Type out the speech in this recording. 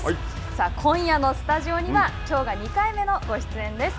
さあ、今夜のスタジオにはきょうが２回目のご出演です。